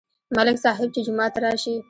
ملک صاحب چې جومات ته راشي.